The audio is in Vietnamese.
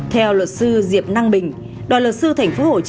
theo luật sư diệp năng bình